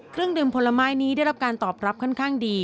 เครื่องดื่มผลไม้นี้ได้รับการตอบรับค่อนข้างดี